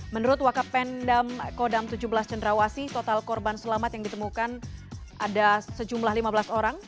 menurut wakap pendam kodam tujuh belas cendrawasi total korban selamat yang ditemukan ada sejumlah lima belas orang